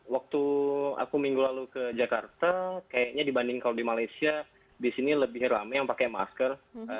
waktu aku minggu lalu ke jakarta kayaknya dibanding kalau di malaysia di sini lebih rame yang pakai masker